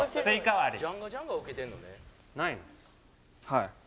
はい。